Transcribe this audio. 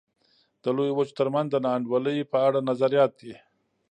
د لویو وچو ترمنځ د نا انډولۍ په اړه نظریات دي.